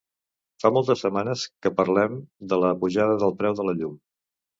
Fa moltes setmanes que parlem de la pujada del preu de la llum.